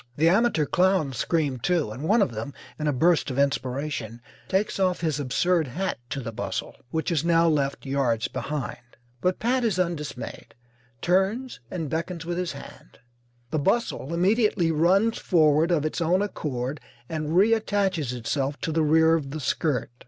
The amateur clowns scream, too, and one of them, in a burst of inspiration, takes off his absurd hat to the bustle, which is now left yards behind. But Pat is undismayed, turns and beckons with his hand. The bustle immediately runs forward of its own accord and reattaches itself to the rear of the skirt.